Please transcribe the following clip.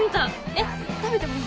えっ食べてもいい？